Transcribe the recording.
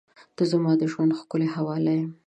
• ته زما د ژونده ښکلي حواله یې.